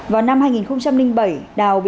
vào năm hai nghìn bảy đào bị công an thành pháp